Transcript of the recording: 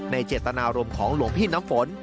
เจตนารมณ์ของหลวงพี่น้ำฝน